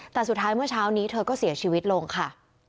แต่สุดท้ายเมื่อเช้านี้เธอก็เสียชีวิตลงค่ะ